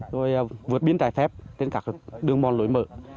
rồi vượt biên trái phép trên các đường mòn lối mở